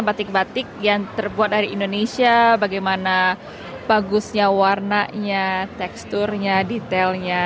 batik batik yang terbuat dari indonesia bagaimana bagusnya warnanya teksturnya detailnya